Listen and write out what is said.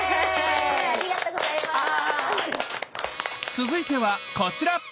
続いてはこちら！